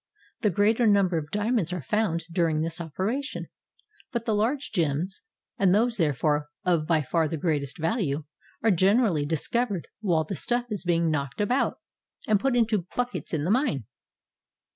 The greater num ber of diamonds are found during this operation ;— but the large gems and those therefore of by far the greatest value are generally discovered while the stuff is being knocked about and put into the buckets in the mine.